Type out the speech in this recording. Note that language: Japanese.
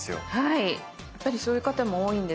やっぱりそういう方も多いんですけど。